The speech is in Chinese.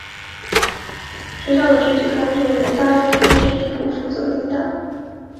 学校的具体工作由八路军政治部负责领导。